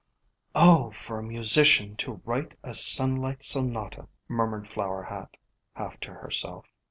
"Oh, for a musician to write a sunlight sonata!" murmured Flower Hat, half to herself.